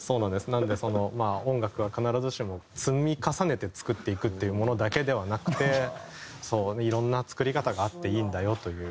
なのでその音楽は必ずしも積み重ねて作っていくっていうものだけではなくていろんな作り方があっていいんだよという。